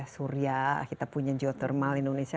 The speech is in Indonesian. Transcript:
surya kita punya geothermal indonesia